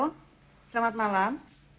halo selamat malam